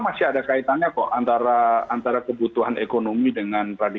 kemudian bagaimana negara harus memikirkan ekonomi dari